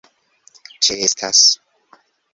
ĉeestas